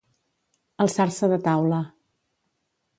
Alçar-se de taula.